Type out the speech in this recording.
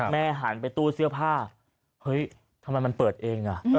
หันไปตู้เสื้อผ้าเฮ้ยทำไมมันเปิดเองอ่ะ